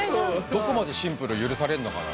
どこまでシンプル許されんのかな。